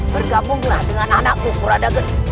bergabunglah dengan anakku kurada geti